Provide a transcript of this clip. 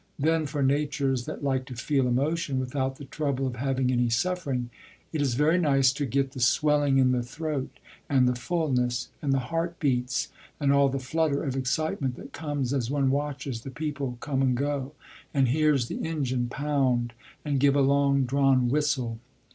Then for natures that like to feel emotion without the trouble of having any suffering, it is very nice to get the swelling in the throat, and the fullness, and the heart beats, and all the flutter of excitement that comes as one watches the people come and go, and hears the engine pound and give a long drawn whistle.